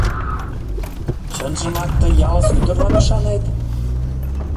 — Чынжымак тый ялысе ӱдырлан ӱшанет?